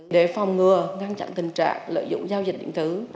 để phòng ngừa ngăn chặn tình trạng lợi dụng giao dịch điện tử